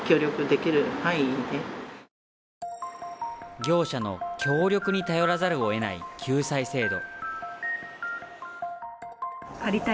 業者の協力に頼らざるを得ない救済制度